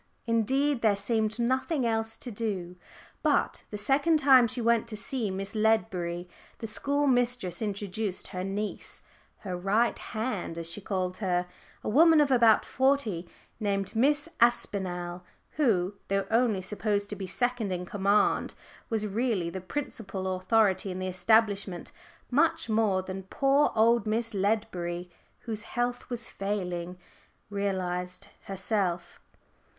Indeed, there seemed nothing else to do. But the second time she went to see Miss Ledbury, the school mistress introduced her niece her "right hand," as she called her a woman of about forty, named Miss Aspinall, who, though only supposed to be second in command, was really the principal authority in the establishment, much more than poor old Miss Ledbury, whose health was failing, realised herself.